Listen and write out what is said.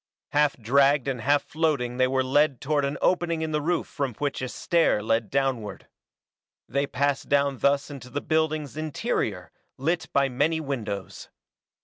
Half dragged and half floating they were led toward an opening in the roof from which a stair led downward. They passed down thus into the building's interior, lit by many windows.